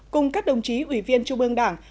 cùng các đồng chí ủy viên trung ương đảng